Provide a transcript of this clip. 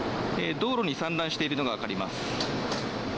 道路に散乱しているのが分かります。